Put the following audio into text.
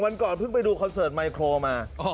ก่อนเพิ่งไปดูคอนเสิร์ตไมโครมา